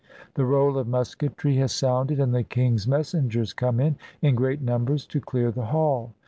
The roll of musketry has sounded, and the king's messengers come in, in great numbers, to clear the hall.